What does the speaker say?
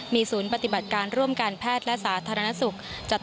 มีศูนย์ปฏิบัติการร่วมการแพทย์และสาธารณสุข